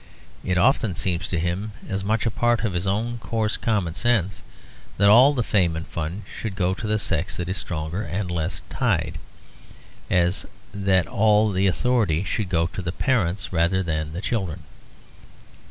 It often seems to him as much a part of his own coarse common sense that all the fame and fun should go to the sex that is stronger and less tied, as that all the authority should go to the parents rather than the children.